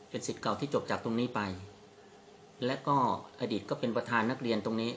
สิทธิ์เก่าที่จบจากตรงนี้ไปแล้วก็อดีตก็เป็นประธานนักเรียนตรงนี้